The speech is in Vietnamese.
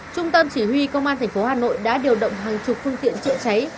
trung tâm chỉ huy công an thành phố hà nội đã điều động hàng chục phương tiện chữa cháy